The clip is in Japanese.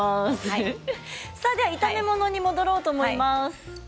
では炒め物に戻ろうと思います。